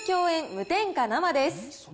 無添加生です。